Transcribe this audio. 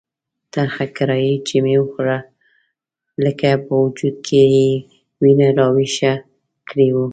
ترخه کړایي چې مې وخوړله لکه په وجود کې یې وینه راویښه کړې وه.